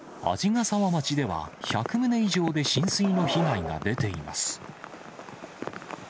鯵ヶ沢町では１００棟以上で浸水の被害が出ています。